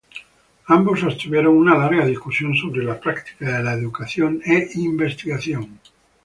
Ambos sostuvieron una larga discusión sobre la práctica de la educación e investigación.